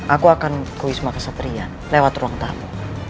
aku akan ke wisma kesatrian lewat ruang tamu